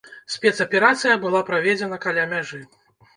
Спецаперацыя была праведзена каля мяжы.